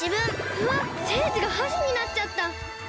うわっセージがはしになっちゃった！